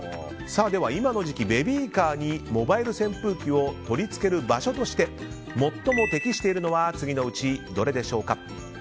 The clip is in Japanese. では、今の時期ベビーカーにモバイル扇風機を取り付ける場所として最も適しているのは次のうちどれでしょうか？